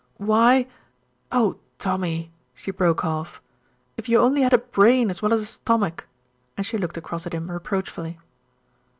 Why Oh! Tommy," she broke off, "if you only had a brain as well as a stomach," and she looked across at him reproachfully.